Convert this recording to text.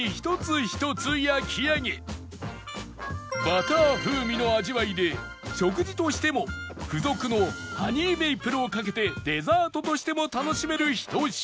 バター風味の味わいで食事としても付属のハニーメイプルをかけてデザートしても楽しめるひと品